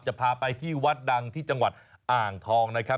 จะพาไปที่วัดดังที่จังหวัดอ่างทองนะครับ